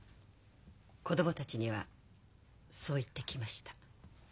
子供たちにはそう言ってきました。